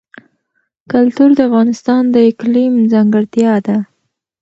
کلتور د افغانستان د اقلیم ځانګړتیا ده.